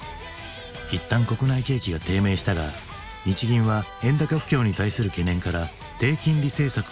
一旦国内景気が低迷したが日銀は円高不況に対する懸念から低金利政策を継続する。